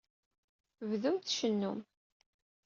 Bdum tcennum.